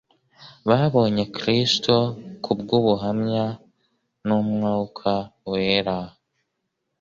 Babonye Kristo kubw'ubuhamya bw'Umnwka Wera